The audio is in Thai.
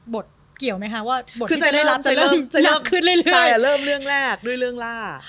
เกี่ยวไหมคะว่าบทที่จะได้รับจะเริ่มจะเยอะขึ้นเรื่อยใช่อ่ะเริ่มเรื่องแรกด้วยเรื่องล่า